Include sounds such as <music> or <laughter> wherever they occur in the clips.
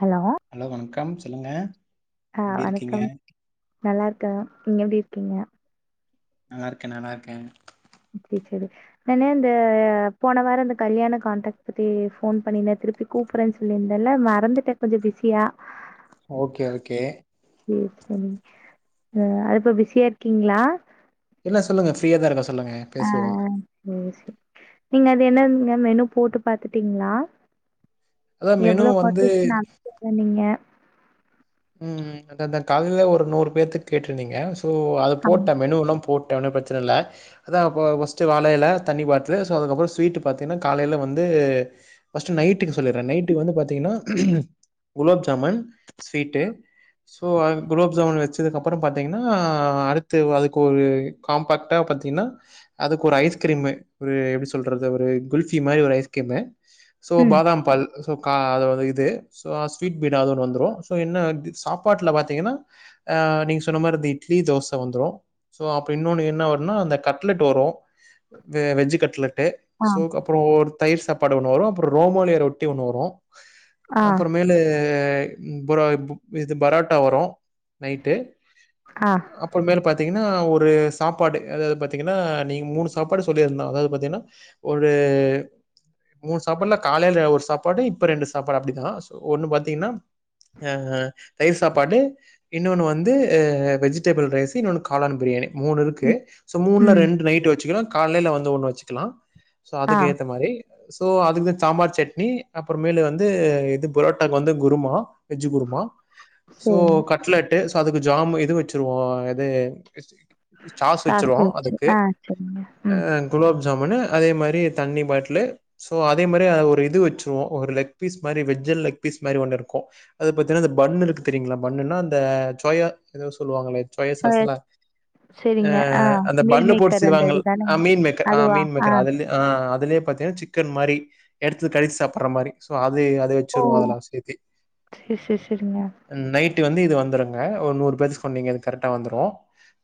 Hello hello வணக்கம் சொல்லுங்க ஆ எப்டி இருக்கீங்க வணக்கம் நல்லாருக்க நீங்க எப்டி இருக்கீங்க? நல்லாருக்கே நல்லாருக்கே செர் செரி நானு இந்த போன வார இந்த கல்யாண காண்டாக்ட் பத்தி ஃபோன் பண்ணிந்தே திருப்பி கூப்புறே சொல்லியிருந்தல்ல மறந்துட்டே கொஞ்ச பிஸியா ஓகே ஓகே சரி சரி அ அது இப்ப பிஸியா இருக்கீங்ளா? இல்ல சொல்லுங்க ஃப்ரீயா தா இருக்க சொல்லுங்க பேசுவோ என்னதுங்க மெனு போட்டு பாத்துட்டீங்ளா? அதா மெனு எவ்ளோ வந்து கொட்டேசன் <unintelligible> சொன்னீங்க ம் அதாதா காலைல ஒரு நூறு பேத்துக் கேட்ருந்தீங்க போ அது கம் போட்ட மெனுெவெலா போட் ட ஒன்னு பிரச்சனல்ல அதா இப்ப ஃபஸ்ட்டு வாழ எல தண்ணி பாட்லு சோ அதுக்கப்ற ஸ்வீட்டு பாத்திங்னா காலைல வந்து ஃபஸ்ட்டு நைட்டுக்கு சொல்லிர்றே நைட்டுக்கு வந்து பாத்தீங்கனா குலாப் ஜாமுன் ஸ்வீட்டு ஸோ அது குலாப் ஜாமுன் வச்சதுக்கப்றொ பாத்தீங்கனா அடுத்து அதுக்கு ஒரு காம்பாக்டா பாத்தீங்கனா அதுக்கு ஒரு ஐஸ்கிரீமு ஒரு எப்டி சொல்றது ஒரு குல்ஃபி மாரி ஒரு ஐஸ்கிரீமு சோ ம் பாதாம் பால் கா அது ஒரு இது சோ ஸ்வீட் பீடா அது ஒன்னு வந்துரு ஸோ என்ன வந்து சாப்பாட்ல பாத்தீங்கனா அ நீங்க சொன்ன மாரி இந்த இட்லி தோச வந்துரு சோ அப்ப இன்னொனு என்ன வருனா அந்த கட்லெட் வரு அ வெஜ்ஜு கட்லெட் டு ஆ சோ கப்றொ‌ ஒரு தயிர் சா ப்பாடு ஒன்னு வரு அப்ற ரோமாலிய ரொட்டி ஒன்னு வரு ஆ அப்பறமேலு இப்புறா இப்ப இது பராட்டா வரு நைட்டு ஆ அப்றமேலு பாத் பாத்தீங்கன்னா ஒரு சாப்பாடு அதாது பாத்தீங்கன்னா நீங்க மூணு சாப்பாடு சொல்லிருந்த அதாது பாத்தீங்கன்னா ஒரு மூணு சாப்பாடுல காலைல ஒரு சாப்பாடு இப்ப ரெண்டு சாப்பாடு அப்டிதா சோ ஒண்ணு பாத்தீங்கன்னா அஅ தயிர் சாப்பாடு இன்னொன்னு வந்து அ வெஜிடபிள் ரைஸ் இன்னொன்னு காளான் பிரியாணி மூணு இருக்கு ம் சோ மூணுல ம், ரெண்டு நைட் வச்சுக்கலா காலையில வந்து ஒண்ணு வச்சுக்கலா சோ ஆ அதுக் ஏத்த மாரி சோ அதுக்கு சாம்பார் சட்னி அப்பறம் மேலு வந்து இது புரோட்டாக்கு வந்து குருமா வெஜ்ஜு குருமா சோ சரிங்க கட்லெட்டு அதுக்கு ஜாம் இது வச்சுருவோ எது சாஸ் வச்சிருவோ வச்சு அதுக்கு ஆ சரிங்க அ குலோப் ஜாமுனு அதே மாரி தண்ணி பாட்டிலு சோ அதே மாரி அ ஒரு இது வச் சோ ஒரு லெக் பீஸ் மாரி வெஜ்ல லெக் பீஸ் மாரி ஒன்னு இருக்கு அத பத்தினா அந்த பண்ணிருக் தெரியீங்களா பண்ணுன்னா அந்த சோயா ஏதோ சொல்லுவாங்களே சோயா ம் சாஸெல அ சரிங்க. ஆ அந்த மீல் பண்ணு போட்டு மேக்கர் அந்த செய்வாங்க இது தானங்க? மீன் மேக்கர் அ அதுவா? மீன் ஆ. மேக்கர் அதில்ல அ அதுலே பாத்தீங்கா சிக்கன் மாரி எடுத்து கடிச்சி சாப்பற மாரி சோ அ அதே அத வச்சுருவோ அதெல்லா ஸ்லிப்பி சே சே செரிங்க இது வந்து இது வந்துருங்க ஒரு நூறு பேரு சொன்னீங்க கரெட்டா வந்துரு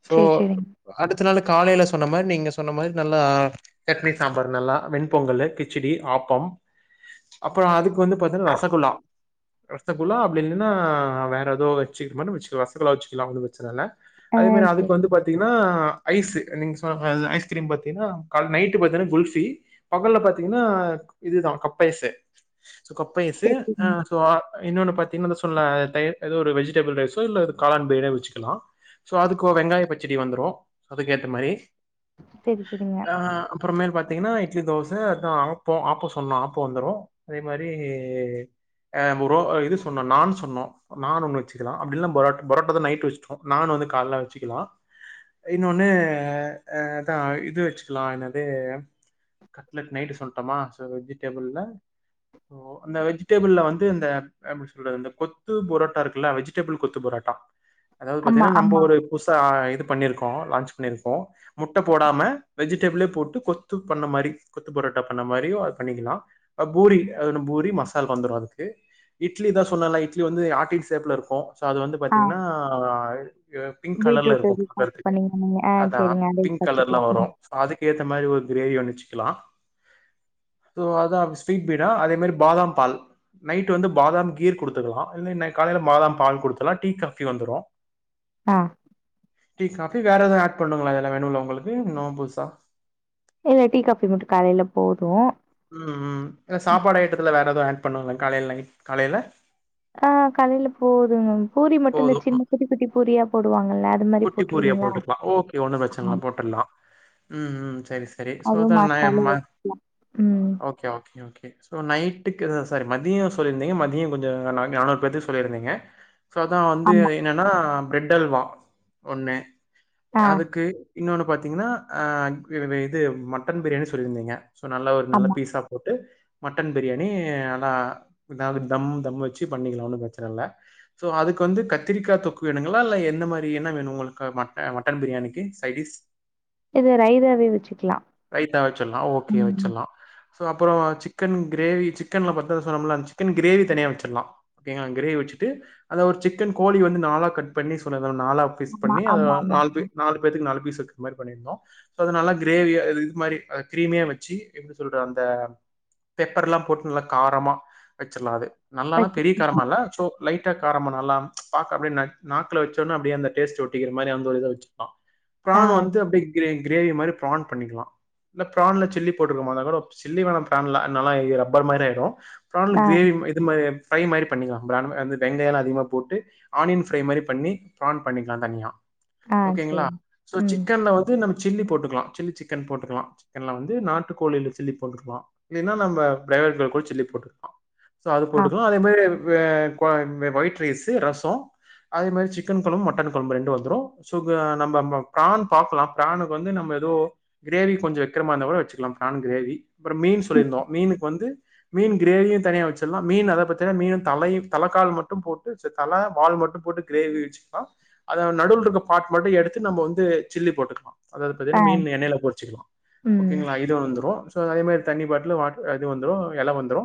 சோ சரி, சரிங்க. அடுத் அடுத்தநாள் காலைல சொன்ன மாரி நீங்க சொன்ன மாரி நல்லா சட்னி சாம்பார் நல்லா வெண்பொங்கல் கிச்சடி ஆப்பம் அப்பறம் அதுக்கு வந்து பாத்தீன்னா ரசகுல்லா ரசகுல்லா அப்டி இல்லன்னா வேற ஏதோ வச்சுக் வச்சுக்கல ரசகுலா வச்சுக்கலா வந்து பிரச்சனல்ல ஆ அதே மாரி அதுக்கு சரிங்க. வந்து பாத்தீங்கன்னா ஐஸ் நீங்க சொ அ ஐஸ்கிரீம் பாத்தீங்கன்னா நைட்டு பாத்தீங்கன்னா குல்ஃபி பகல்ல பாத்தீங்கன்னா இதுதா கப்பைஸ் சோ கப்பைஸ்சு சரி, அ சரிங்க. சோ ஆள் இன்னொன்னு பாத்தீங்கனு சொல்ல தயிர் ஏதோ ஒரு வெஜிடபிள் ரைஸோ இல்ல காளான் பிரியாணி வச்சுக்கலா சோ அதுக்கோ வெங்காயோ பச்சடி இன்னைக்கு வந்துரு அதுக்கேத்த மாரி சேரி செரிங்க அப்பறமேல் பாத்தீங்கன்னா இட்லி தோச அதா ஆப்போ ஆப்போ சொன்னோ ஆப்போ வந்துரு அதே மாரி அ புரோ இது சொன்னோ நான் சொன்னோ நான் ஒன்னு வச்சுக்கலா அப்டில்ல புரோட் பரோட்டாதா நைட் வச்சுட்டோ நான் வந்து கால்ல வச்சுக்கலா இன்னொன்னு அ அதா இது வச்சுக்கலா என்னாது நைட் சொல்ட்டுமா சோ டேபிள்ல இந்த விஜிடெபிள வந்து வந்து இந்த எப்டி சொல்றது கொத்து பொரோட்டா இருக்குல்ல வெஜிடபிள் கொத்து புரோட்டா அதாவது ஆமா, பாத்தீங்கனா நம்ம ஆமா. ஒரு புதுசா ஆய்ன் பண்ணிருக்கோ லாச்சு பண்ணிருக்கோ முட்ட போடாம வெஜிடபிளே போட்டு கொத்து பண்ணமாரி கொத்து புரோட்டா பண்ணமாரி பண்ணிகிளா பூரி பூரி மசால் வந்துரு இட்லி தா சொன்னலாஇட்லி வந்து ஆட்டின் சேப்ல இருக்கு அது வந்து ஆ பாத்தீங்கன்னா ஆய் பிங்க் கலர்ல பீட்ரூட் இருக்கு ரீசார்ஜ் பாக்குறதுக்கு பண்ணீங்க நீங்க. ஆ அதா சரிங்க. அத பிங்க் கலர்லா வச்சுக்கலாம். வரு ம். அதுக்கு ஏற்ற மாரி ஒரு கிரேவி வந்துச்சு ஹலோ அதா ஸ்வீட் பீடா அதே மாரி பாதாம் பால் நைட் வந்து பாதாம் கீர் குடுத்துக்கலா இ காலேல பாதாம் பால் குடுத்துக்கலா டீ காபி வந்துரு ஆ டி காபி வேற எதவு ஆட் பண்ணுங்களா அதெல்லா வேணும்ல உங்களுக்கு இன்னு புதுசா இல்ல டீ காபி மட்டு காலேல போது உம் உம் இல்ல சாப்பாடு அய்ட்டத்துல வேற ஏதவு ஆட் பண்ணுவே காலேல நைட் காலேல ஆ கலேல போதும் மேம் பூரி மட்டுதா போது சின்ன குட்டி குட்டி பூரியா போட்டு குட்டி பூரியா போட்டுக்கலா ஓகே ஒண்ணும் ஆ பிரச்சனைல்ல போட்ருலா உம் உம் ச் செரி செரி ஸோ அதுவும் அதா நா எ மசாலா மா வச்சுக்கலாம். ம். ஓகே ஓகே ஓகே சோ நைட்டுக்கு சாரி மதிய சொல்லியிருந்தீங்க மதிய கொஞ்சோ நானூறு பேத்துக்கு சொல்லிருந்தீங்க சோ அதா வந்து ஆமா. என்னன்னா பிரட்டல்வா ஒன்னு ஆ அதுக்கு இன்னோனு பாத்திங்கன்னா ஆ இது மட்டன் பிரியாணி சொல்லியிருந்தீங்க நல்ல ஒரு நல்ல ஆமா. பீஸா போட்டு மட்டன் பிரியாணி... அ... தம் தம் வச்சு பண்ணிக்கலா ஒன்னு பிரச்சன இல்ல சோ அதுக்கு வந்து கத்திரிக்கா தொக்கு வேணுங்களா இல்ல எந்த மாரி என்ன வேணு உங்களுக்கு ம மட்டன் பிரியாணிக்கு சைடிஷ் இது ரைதாவே வச்சுக்கலாம். ரைத்தா வச்சிடலா ஓகே ம். வச்சிடலா சோ அப்றோ சிக்கன் கிரேவி சிக்கன் ல பட்ட சோம்பு லா சிக்கன் கிரேவி தனியா வச்சிரலா ஓகேங்களா கிரேவி வச்சிட்டு அந்த ஒரு சிக்கன் கோழி வந்து நாலா கட் பண்ணி சொன்னேல நாலா ஆமா, பண்ணி அத ஆமாமா. நாலு பேத் நாலு பேத்துக்கு நாலு பீஸ் இருக்கு மாரி பண்ணியிருந்தோ சோ அத நல்லா கிரேவியா இது மாரி கிரீமியா வச்சு எப்டி சொல்ற அந்த பெப்பர் எல்லா போட்டு நல்லா காரமா வச்சிரலா அது நல்லானா பெரிய வச்சிருக்கோம். காரம இல்ல சோ லைட்டா காரம நல்லா பாக்க அப்டியே நாக்குல வச்சோன்னே அப்டிய அந்த டேஸ்ட் வரு படிக்குற மாரி அந்த ஒரு இத வெச்சுப்பா ஆ, பிராண் வந்து அப்டி கிரேவி கிரேவி மாரி பிரான் பண்ணிக்கலா இல்ல பிரான்ல சில்லி போட்டுக்குற மார் இருந்தா கூடோ சில்லி வேணா பிரான்ல நல்லா ரப்பர் மாரி ஆயிடு பிரான்ல ஆ, கிரேவி இது மாரி ஃப்ரை மாரி பண்ணிக்கலா பிரானுமே வந்து வெங்காயோ எல்லா அதிகமாக போட்டு ஆனியன் ஃப்ரை மாரி பண்ணி் பிரான் பண்ணிக் ல்லாந் தனியா ஆ ஓகேங்களா சரிங்க. சோ ம். சிக்கன்ல வந்து நம் சில்லி போட்டுக்கலா சில்லி சிக்கன் போட்டுக்கலா சிக்கன்ல வந்து நாட்டு கோழில சில்லி போட்டுக்கலா இல்லைன்னா நம்ம பிராய்லர்ல கூட சில்லி போட்டுக்கலா சோ அது ஆ, போட்டுக்கலா அதே மாரி வே ஒயிட் ரைஸ்ஸு ரசோ அதே மாரி சிக்கன் கொழம்பு மட்டன் கொழம்பு ரெண்டு வந்துரு சோ நம்ப பிரான் பாக்கலா பிரான்க்கு வந்து நம்ம எதோ கிரேவி கொஞ்சோ வெக்குற மாரி இருந்தா கூட வெச்சுக்கலாம் பிரான் கிரேவி அப்புறோ மீன் சொல்லிருந்தோ மீன்க்கு வந்து மீன் கிரேவிய தனியா வெச்சுருலா மீன் அத பாத்தீன்னா மீனு தலையு தலைக்கால் மட்டும் போட்டு சே தல வால் மட்டும் போட்டு கிரேவி வெச்சுக்கலா அதா நடுவுல இருக்க பார்ட் மட்டு எடுத்து நம்ம வந்து சில்லி போட்டுக்கலா அதாவது ஆ, பாத்தீங்கன்னா மீன் எண்ணயில பொருச்சுக்கலா ம். ஓகேங்களா இது வந்துரு அதே மாரி தண்ணி பாட்டுலு இது வந்துரு எல வந்துரு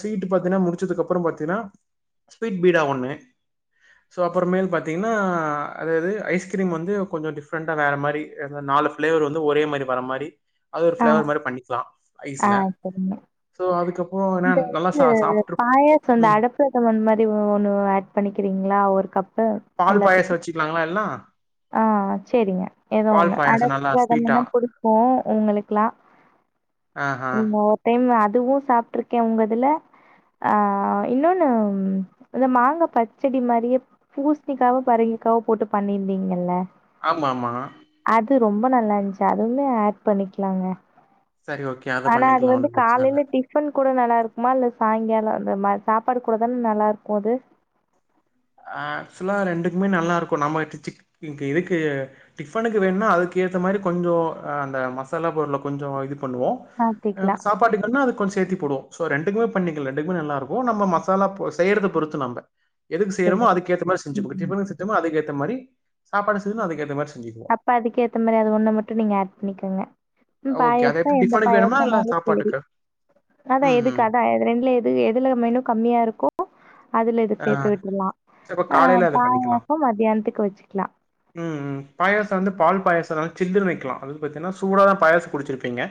ஸ்வீட்டு பாத்தீங்கன்னா முடுச்சதுக்கு அப்புறோ பாத்தீங்கன்னா ஸ்வீட் ஸ்பீடா ஒன்னு சோ அப்புற மேல் பாத்தீங்கன் ன்னா அதாவது ஐஸ்கிரீம் வந்து கொஞ்சோ டிஃப்ரெண்டா வேற மாரி நாலு பிளேவர் வந்து ஒரே மாரி வர மாரி அது ஒரு ஆமா ஃபிளேவர் மாரி பண்ணிக்கலாம் ஆ ஐஸ்ல சேரிங்க சோ அதுக்கப்புறம் என்ன இந்த நல்லா சா இது சாப்ட்ரு பாயாசோ இந்த ம் அட பிரதமன் மாரி ஒ ஒன்னு ஏட் பண்ணிக்குறீங்களா ஒரு கப்பு பால் பாயாசோ எல்லாத்துக்கும். வெச்சுக்கலாங்களா எல் ல்லா ஆ சேரிங்க எதோ ஒண்ணு அட பாயாசம் நல்லா ஸ்வீட்டா பிரதமன்தா புடிக்கு இவங்களுக்குல்லா ஆஹா இந்த ஒரு டைம் அடப் அதுவு சாப்ட்ருக்க உங்க இதுல ஆ இன்னொன்னு இந்த மாங்கா பச்சடி மாரியே பூசுணிக்காவோ பரங்கிக்காவோ போட்டு பண்ணிருந் தீங்கல்ல ஆமா ஆமா அது ரொம்ப நல்லா இருந்துச்சு அதுமே ஏட் பண்ணிக்கலாங்க சேரி ஓகே அத ஆனா அது பண்ணிக்கலா வந்து ஒண்ணு பிரச்சன இல்ல காலையில டிஃபன் கூட நல்லா இருக்குமா இல்ல சாயங்காலோ அந்த மாரி சாப்பாடு கூட தான நல்லா இருக்கு அது ஏக்சுவலா ரெண்டுக்குமே நல்லா இருக்கு நம்ம சிச்சுக் இங்க இதுக்கு டிஃபனுக்கு வேணுன்னா அதுக்கு ஏத்த மாரி கொஞ்சோ அந்த மசாலா பொருள கொஞ்சோ இதுப் பண்ணுவோ மாத்திக்கலாம். சாப்பாடுக்குன்னா அது கொஞ்சோ சேத்தி போடுவோ சோ ரெண்டுக்குமே பண்ணிக்கலா ரெண்டுக்குமே நல்லா இருக் கு நம்ம மசாலா போ செய்யறதுப் பொறுத்து நம்ப எ இதென்னமோ சரிங்க. அதுக்கேத்த மாரி செஞ்சு ம். குடுத்து <unintelligible> அதுக்கேத்த மாரி சாப்பாடு செய்யனு அதுக்கேத்த மாரிஸ் அப்ப அதுக்கு ஏத்த மாரி அது ஒன்ன மட்டு நீங்க ஆட் பண்ணிக்கங்க ம் ஓகே அது பாயசனா எப்டி எந்த டிஃபனுக்கு வேணுமா இல்ல பாயசனாலு சேரி சாப்பாட்டுக்கு? அதா ம் எதுக்கு ம். அதா அது ரெண்டுல எது எதுல மெனு கம்மியா இருக்கோ அதுல இது ஆ சேத்து விட்ருலா சரி அப்ப அ காலைல அத பண்ணிக்கலாம். பாயசம் மத்தியானத்துக்கு வச்சுக்லா ச வந்து பால் பாயா சனனா சில்லுனு வைக்லா அது வந்து பாத்தனா சூடாதா பாயச குடுச்சிருப்பீங்க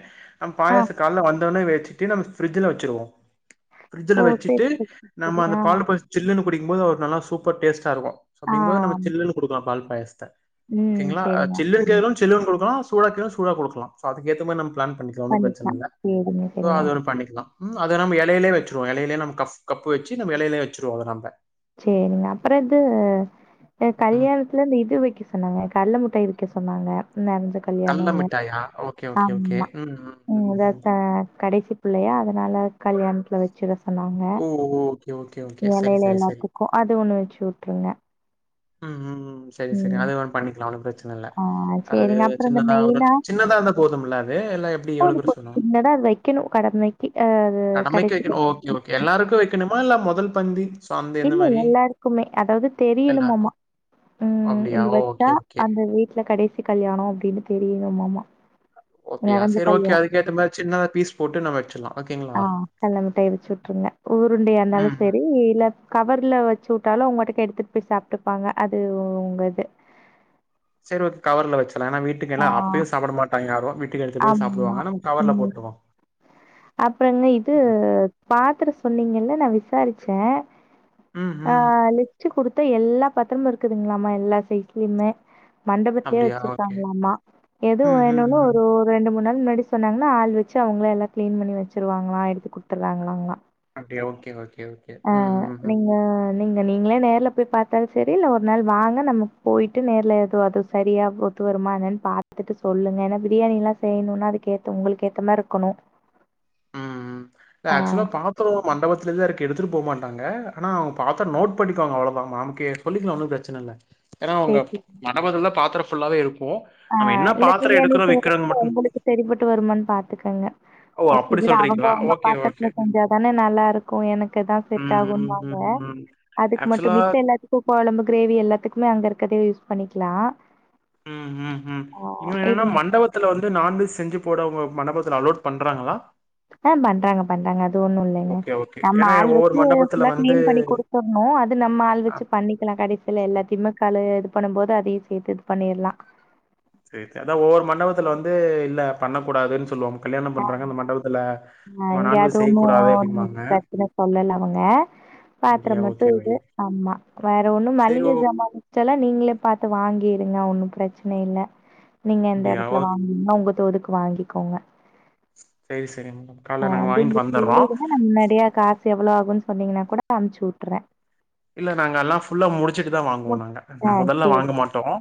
தம் ஆ. பாயச கால்ல வந் தோன வச்சிட்டு நம்ம ஃபிரிட்ஜுல வச்சிருவோ ஓ! பிரிட்ஜுல சரி, வச்சிட்டு சரி, சரி, சரி. நம்ம ஆ. அந்த பால் பாய சந்த குடிக்கும் போது ஒரு நல்ல சூப்பர் டேஸ்டா இருக்கு சோ ஆ. அப்டிங்கம்போது நம்ம சில்லுனு குடுக்கலா பால் பாயசத்த ம். ஓகேங்களா சரிங்க, சில்லுனு சரிங்க. கேக்குறவுங் சில்லுனு குடுக்கலா சூடா கேக்குறவுங் சூடா குடுக்லா சோ அதுக்கு ஏத்த மாரி நம் ப்ளான் பண்ணிக்கலா ஒன்னு பண்ணிக்கலாம். பிரச்சனல்ல சரிங்க, சோ சரிங்க. அது ஒனு பண்ணிக்கலா ம் அத நம் எலையிலே வச்சிருவோ எலையிலே நம்ம கப் கப்பு வச்சு நம் எலைலே வச் சுருவோ அது நம்ப சேரிங்க அப்ற இது ம் கல்யாணத்துல அந்த இது வக்க சொன்னாங்க கட்ல மு ட்டாய் வக்க சொன்னாங்க நெறஞ்ச கடல கல்யாணொல்ல மிட்டாயா ஓகே ஓகே ஓகே ஆம்மா ம் ம் அதா த கடைசி பிள்ளயா அதுனால கல்யாணத்துல வச்சுட சொன்னாங்க ஓ ஓ ஓகே ஓகே ஓகே சரி சரி சரி த்துக்கு அது ஒன்னு வச்சுவுட்ருங்க ம் ம் ம் ம் செரி செரி அதுவு ஒன் பண்ணிக்கலா ஒன்னு பிரச்சனல்ல ஆ அது சேரிங்க அப்புற இந்த சின்னதா ஒரு மெயினா சின்னதா இருந்தா போதுமுல்ல அது இல்ல எப்டி எவ்ளோ பெருசு வேணு என்னடா அது வைக்கணு கடமைக்கு அ ஆ நம்ம இக்க கடைசி வக்கெணு பிள்ளை. ஓகே ஓகே எல்லாருக்கு வக் கணுமா இல்ல மொதல் பந்தி இல்ல மாரி? எல்லாருக்குமே அதாவ்து தெரி யனுமாமா எல்லாருக்கும். ம் அப்படியா? இது ஓகே, வச்சா ஓகே. அந்த வீட்ல கடைசி கல்யாணொ அப்டின்னு தெரியணுமாமா ஓ அப்படியா? நெறஞ்ச சரி ஓகே. கல்யாணம் அதுக்கேத்த மாரி சின்னதா பீஸ் போட்டு நம்ம வச்சுடலாம். ஓகேங்களா? ஆ கல்லமிட்டா வச்சுட்ருங்க உருண்டையா இருந்தாலு ம், ம். சேரி இல்ல கவர்ல வச்சு வுட்டாலு அவுங்க பாட்டுக்கு எடுத்துட்டு போய் சாப்ட்டுப்பாங்க அது உங்க இது செரி ஓகே கவர்ல வச்சுன் ஏனா வீட்டுக்கு ஆ எல்ல அப்யே சாப்ட மாட்டாங்க யாரு வீட்டுக்கு எடுத்து போய் ஆமா. சாப்டுவாங்க நம்ம கவர்ல ம் போட்டுரூவோ அப்புறங்க இது பாத்திர சொன்னீங்கல்ல நா விசாரிச்சே ம். ஆ ம். லிஸ்ட்டு குடுத்து எல்லா பத்திரமா இருக்குதுங்களாமா எல்லா சைஸ்லயுமே மண்டபத்திலயே அப்படியா? ஓகே. வச்சிருக்காங் மா எதுவு ம், ம், வேனாலு ம். ஒரு ரெண் ரெண்டு மூணு நாள் முன்னாடி சொன்னாங்கன்னா ஆள் வச்சு அவுங்கள எல்லா கிளீன் பண்ணி வச்சருவாங்களா எடுத்து குடுத்துருவாங்களாங்களா அப்டியே ஓகே ஓ ஆ நீங்க நீங்க நீங்களே நேர்ல போய் பாத்தாலு சரி இல்ல ஒரு நாள் வாங்க நமக்கு போயிட்டு நேர்ல ஏது அதுவு சரியா ஓத்து வருமா என்னன் பாத்துட்டு சொல்லுங்க ஏனா பிரியாணி எல்லா செய்யணுன்னா அதுக்கேத்த உங்களுக்கு ஏத்த மாரி இருக்கணு ம் ம் ம் ம் ஆக்சுவலா பாத்தரோ மண்டபத்திலே தா இருக்கு எடுத்துட்டு போ மாட் ங்க ஆனா அவுங்க பாத்தர நோட் பண்ணிக்குவாங்க அவ்ள தா நம் கே சொல்லிக்கலா ஒன்னு பிரச்சனை இல்ல ஏனா சரி, அவுங்க சரி. மண்டபத்தலா தா பாத ஃபுல்லவே இரு ஆ இல்ல பிரியாணி செய்யறது மட்டும் உங்களுக்கு சரிப்பட்டு வரும பாத்துக்கோங்க ஓ! ஒரு சில அப்படி பேர் அவுங்க சொல்றீங்களா? அவுங்க ஓகே, ஓகே. பாத்தரதுல செஞ்சாதானே நல்லா இருக்கு எனக்குதா செட் ம், ம், ஆகுமன்னாங்க ம், ம். அதுக்கு மட்டு ஆக்சுவலா மித்த எல்லாத்துக்கு கொழம்பு கிரேவி எல்லாத்துக்குமே அங்க இருக்கத யூஸ் பண்ணிக்கலா ம் ம். ம் இன்ன என்னன்னா மண்டபத்துல வந்து நான்வெஜ் செஞ்சு போடவங்க மண்டபத் இதுல அலோட் பண்றாங்களா ஆ பண்றாங்க பண்றாங்க அது ஒண்ணு இல்லைங்க ஓகே, ஓகே. நம்ம ஏன்னா ஆள் ஒவ்வொரு வச்சு மண்டபத்துல ஃபுல்லா வந்து கிளீன் பண்ணி கொடுத்துறோனோ அது நம்ம ஆள் வச்சு பண்ணிக்கலா கடைசியல ஆ. எல்லாத்தையுமே கழு பண்ணு போது அதையு சேத்து பண்ணிர்லா செரி செரி அதா ஒவ்வொரு மண்டபத்துல வந்து இல்ல பண்ணக்க கூடாதுன் சொல்லுவாங்க கல்யாணம் அ பண்றாங்க அந்த மண்டபத்துல ஆ ம- இங்க அது நான்வெஜ் ஒன்னு செய்யக்கூடாது ஒ அப்டிம்பாங்க பிரச்சனை சொல்லல அவுங்க பாத்திர அப்டியா மட்டு ஓகே இது ஓகே ஆமா வேற ஒண்ணு சரி ஓ மளிகை சாம மிச்சல்லா நீங்களே பாத்து வாங்கிடுங்க ஒண்ணு பிரச்சனை இல்ல நீங்க எந்த அப்டியா இடத்துல ஓகே வாங்கீங்கன்னா உங்க தோதுக்கு வாங்கிக்கோங்க சரி சரிங் அது. <unintelligible> என்னன்னா நா முன்னடியா காஸ் எவ்ளோ ஆகுன் சொன்னீங்கன்னா கூட அம்ச்சு வுட்ருவே இல்ல நாங்கெல்லா ஃபுல்லா முடிச்சுட்டு தா வாங்குவோ நாங்க ஆ மெதல்ல சேரி வாங்க மாட்டோம்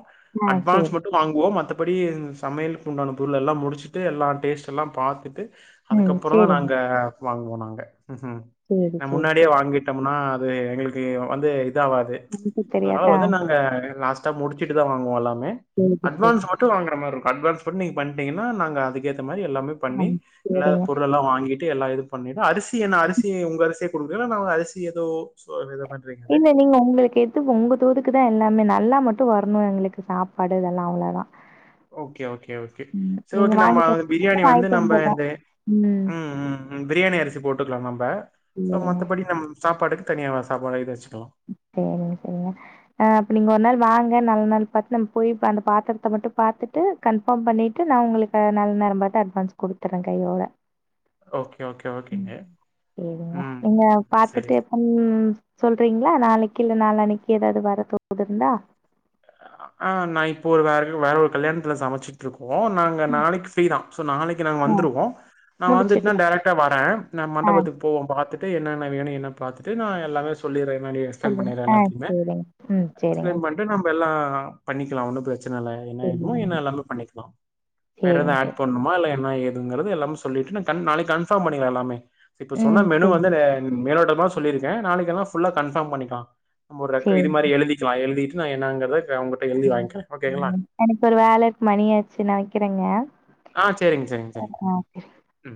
ஆ சேரி அட்வான்ஸ் மட்டு வாங்குவோம் மத்த படி சமையலுக்கு உண்டான பொருள் எல்லா முடிச்சுட்டு எல்லா டேஸ்ட்டுல்லாம் பாத்துட்டு ம். அதுக்கப்புற தா சரிங்க. நாங்க வாங்குவோ நங்க ம் ம் சரி, ந சரி, முன்னாடியே சரி. வாங்கிட்டம்னா பே எங்களுக் வந்து இதா ஆவாது எனக்கு தெரியாது. அதுனால ஆ வந்து நாங்க லாட்டா முடிச்சுட்டு தா வாங்குவோ எல்லாமே சரி, சரி. அட்வான்ஸ் மட்டு வாங்குறமார் அட்வான்ஸ் பண்ணி நீங்க பண்டீங்கனா நாங்க அது கேத் த மாரி எல்லாமே ஆ பண்ணி எல்லா சரிங்க. பொருள் எல்லா வாங்கிட்டு எல்லா எடுத் அரிசி என்ன அரிசி உங்க அரிசி ஒரு வேல நா அரிசி ஏதோ சோ வேறப் இல்ல நீங்க உங்களுக்கு எது உங்க தோடுக் தா எல்லாமே நல்லா மட்டும் வரணு எங்களுக்கு சாப்பாடு இதெல்லா அவ்ளதா ஓகே ஓகே ஓகே சரி நீங்க ஓகே நம்ம வாங்கிட்டு பிரியாணி வரதுனாலும் வந்து வாங்கிட்டு நம்ம வந்துர்றோம். இந்த ம் ம் ம் பிரியாணி அரிசி போட் டுக்கலா நம்ப சோ சரிங்க, மத்தபடி நம் சாப்பாடுக்கு தனியா வ சாப வடாச்சு சரிங்க சரிங்க ஆ அப்ப நீங்க ஒரு நாள் வாங்க நல்ல நாள் பாத்து நம்ம போய் அந்த பாத்திரத்த மட்டும் பாத்துட்டு கன்பார்ம் பண்ணிட்டு நா உங்களுக்கு நல்ல நேரம் பாத்து அட்வான்ஸ் குடுத்துறேன் கையோட ஓகே, ஓகே, ஓகேங்க. ம் சேரிங்க ம், நீங்க ம். சரி. பாத்துட்டு எப்புன் சொல் சொல்றீங்களா நாளைக்கு இல்ல நாலு அணிக்கு ஏதாவது வர தோ இருந்தா ஆ நா இப்போ ஒரு வேற வேற ஒரு கல்யாணத்துல சமைச்சிட்டுருக் நாங்க ம். நாளைக்கு ப்ரீதா நாளைக்கு நா ஆ வந்துவோ நா வந்து முடிச்சுட்டு டேரக்டா வரேன் ந ஆ மண்டபத்துக்கு போவோ பாத்துட் என்னென்ன வேணு என்ன பாத்துட்டு நா எல்லாமே சொல்லிறே ஆ சேரிங்க ம் சேரிங்க எல்லா பண்ணிக்கலாம் ஒன்னு பிரச் என்னல என்னவேனுமே சேரிங்க என்னல்லாம பண்ணிக்கலா வேற சேரி ஏது ஆட் பண்ணுமா இல்ல ஏது அப்டிங்கறது எல்லாமே சொல்லிட்டு நாளைக்கு கன்பார்ம் பண்ணிக்லா எல்லாமே இப்ப சொன்ன ம் மெனு சேரி வந்து மேலோட்ட தா சொல்லிருக்கே நாளைக்குதா ஃபுல்லா கன்ஃபார்ம் பண்ணிக்கலா மூர்ரக்க இது மாரி சேரிங்க எழுதிக்கலா எழுதி நாங்கதா எனக்கு ஒரு வேல இருக்கு மணிஆச்சு ந வைக்கிறேங்க ஆ சரிங்க சரிங்க சரிங்க ஆ உ